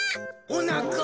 おなか。